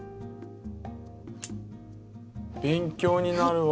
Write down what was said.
勉強になるわ。